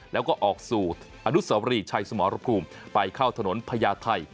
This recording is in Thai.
แล้วก็ออกสู่อนุสวรีชัยสมรภูมิไปเข้าถนนพญาไทย